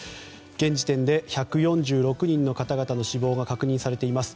現時点で１４６人の方々の死亡が確認されています。